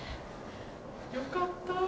よかったぁ